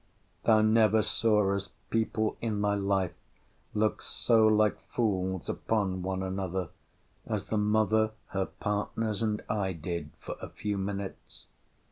Thou never sawest people in thy life look so like fools upon one another, as the mother, her partners, and I, did, for a few minutes.